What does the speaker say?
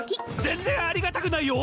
全然ありがたくないよ